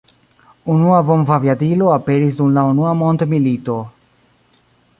Unua bombaviadilo aperis dum la unua mondmilito.